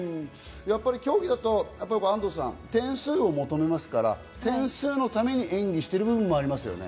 競技だと安藤さん、点数を求めますから、点数のために演技している部分もありますよね。